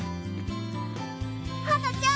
はなちゃん。